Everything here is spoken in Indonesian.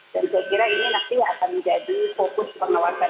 saya kira ini nanti akan menjadi fokus pengawasan